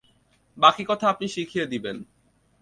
বাকি কথা আপনি শিখিয়ে দিবেন।